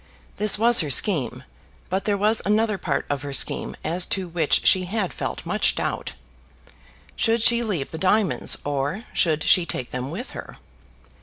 This was her scheme; but there was another part of her scheme as to which she had felt much doubt. Should she leave the diamonds, or should she take them with her?